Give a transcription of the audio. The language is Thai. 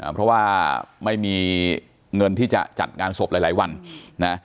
เพราะว่าไม่มีเงินที่จะจัดงานศพหลายวันนะ